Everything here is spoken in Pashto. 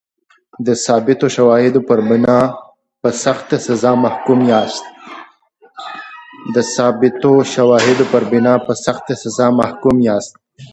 د ثابتو شواهدو پر بنا په سخته سزا محکوم یاست.